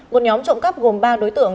một nhóm trộm cắp gồm ba đối tượng